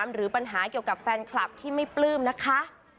หรือปัญหาเกี่ยวกับแฟนคลับที่ไม่ปลื้มนะคะ